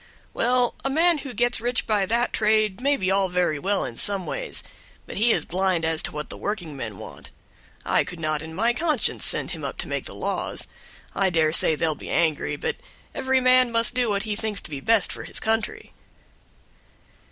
"Well, a man who gets rich by that trade may be all very well in some ways, but he is blind as to what workingmen want; I could not in my conscience send him up to make the laws. I dare say they'll be angry, but every man must do what he thinks to be the best for his country."